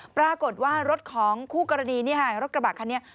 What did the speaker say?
ปรากฏว่ารถของคู่กรณีรถกระบะคันนี้